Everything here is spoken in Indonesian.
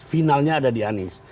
finalnya ada di anies